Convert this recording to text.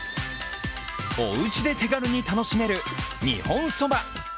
おうちで手軽に楽しめる日本そば。